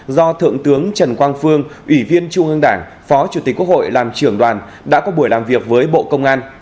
do thượng tướng trần quang phương ủy viên trung ương đảng phó chủ tịch quốc hội làm trưởng đoàn đã có buổi làm việc với bộ công an